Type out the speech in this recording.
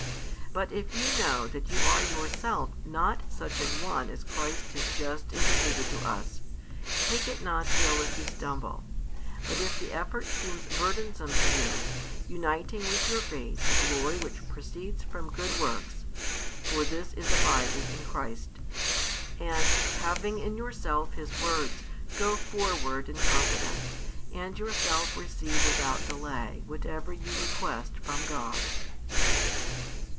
But if you know that you are yourself not such an one as Christ has just indicated to us, take it not ill if you stumble, but if the effort seems burdensome to you, uniting with your faith the glory which proceeds from good works, (for this is abiding in Christ), and, having in yourself His words, go forward in confidence, and yourself receive without delay whatever you request from God.